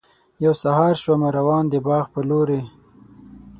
یو سهار شومه روان د باغ پر لوري.